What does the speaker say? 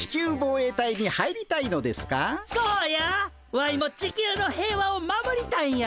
ワイも地球の平和を守りたいんや！